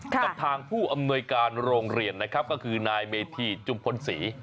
กับทางผู้อำนวยการโรงเรียนนะครับก็คือนายเมธีจุมพลศรี